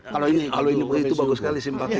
kalau itu bagus sekali simpati